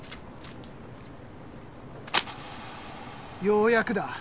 ようやくだ。